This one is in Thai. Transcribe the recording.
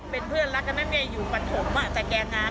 เป็นเพื่อนรักกันนะเมียอยู่ปฐมแต่แกงาน